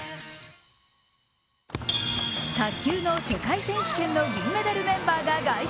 卓球の世界選手権の銀メダルメンバーが凱旋。